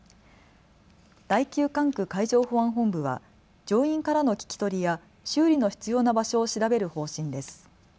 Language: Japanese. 第９管区海上保安本部は乗員からの聞き取りや修理の必要な場所を調べる方針です。